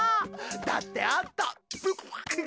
だって、あんた。